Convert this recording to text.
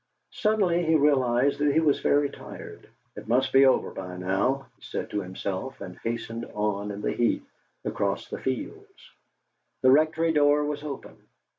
Suddenly he realised that he was very tired. "It must be over by now," he said to himself, and hastened on in the heat across the fields. The Rectory door was open.